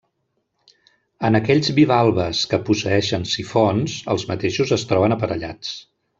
En aquells bivalves que posseeixen sifons, els mateixos es troben aparellats.